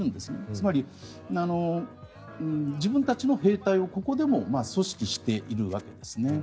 つまり、自分たちの兵隊をここでも組織しているわけですね。